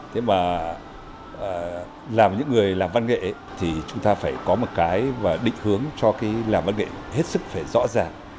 thế mà làm những người làm văn nghệ thì chúng ta phải có một cái định hướng cho cái làm văn nghệ hết sức phải rõ ràng